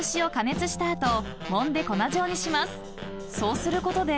［そうすることで］